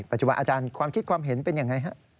ปัจจุบันอาจารย์ความคิดความเห็นเป็นอย่างไรฮะ